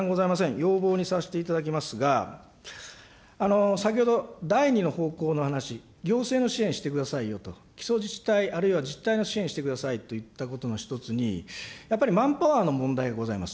要望にさせていただきますが、先ほど第２の方向の話、行政の支援をしてくださいよ、基礎自治体、あるいは自治体の支援をしてくださいといったことの１つに、やっぱりマンパワーの問題がございます。